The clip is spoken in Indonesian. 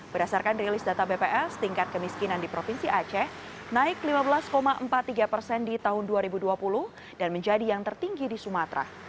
berdasarkan rilis data bps tingkat kemiskinan di provinsi aceh naik lima belas empat puluh tiga persen di tahun dua ribu dua puluh dan menjadi yang tertinggi di sumatera